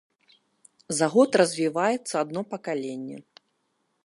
За год развіваецца адно пакаленне.